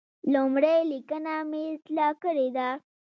لومړۍ لیکنه مې اصلاح کړې ده.